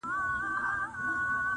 په خندا څه رنګه ژړا واخلم